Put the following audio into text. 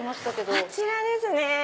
あちらですね。